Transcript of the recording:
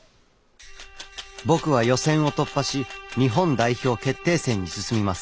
僕は予選を突破し日本代表決定戦に進みます。